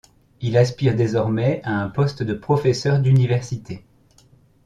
Il aspire désormais à un poste de professeur d’université.